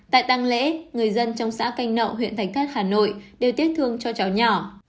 tại tăng lễ người dân trong xã canh nậu huyện thạch thất hà nội đều tiếc thương cho cháu nhỏ